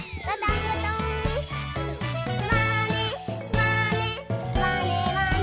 「まねまねまねまね」